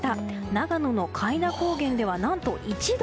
長野の開田高原では何と１度。